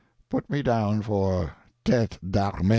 Put me down for 'Tete d'armee.'"